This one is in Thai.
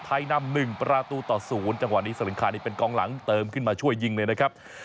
นำ๑ประตูต่อ๐จังหวะนี้สลิงคานี่เป็นกองหลังเติมขึ้นมาช่วยยิงเลยนะครับ